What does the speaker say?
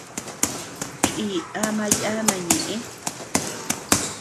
Chii ama yana ñëʼe.